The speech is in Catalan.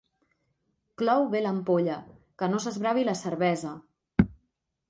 Clou bé l'ampolla, que no s'esbravi la cervesa.